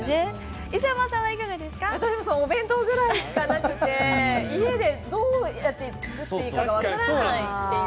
私もお弁当ぐらいしかなくて家でどうやって作っていいか分からないという。